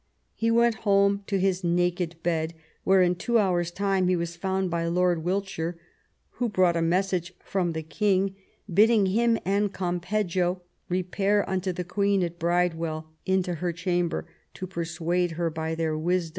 He went home "to his naked bed," where in two hours' time he was found by Lord Wilt shire, who brought a message from the king, bidding him and Campeggio " repair unto the queen at Bridewell, into her chamber, to persuade her by their wisdoms.